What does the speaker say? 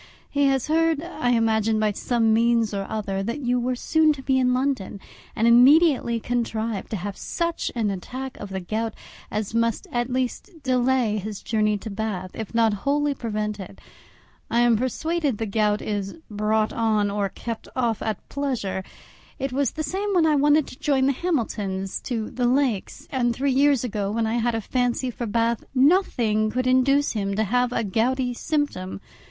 He had heard, I imagine, by some means or other, that you were soon to be in London, and immediately contrived to have such an attack of the gout as must at least delay his journey to Bath, if not wholly prevent it. I am persuaded the gout is brought on or kept off at pleasure; it was the same when I wanted to join the Hamiltons to the Lakes; and three years ago, when I had a fancy for Bath, nothing could induce him to have a gouty symptom.